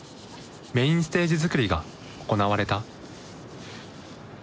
メインステージづくりが行われた。